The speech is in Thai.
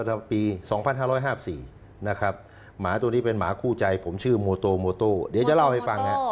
ปี๒๕๕๔นะครับหมาตัวนี้เป็นหมาคู่ใจผมชื่อโมโตโมโต้เดี๋ยวจะเล่าให้ฟังฮะ